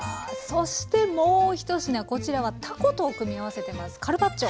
そしてもう１品こちらはたこと組み合わせてます。